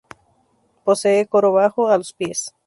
Posee coro bajo, a los pies.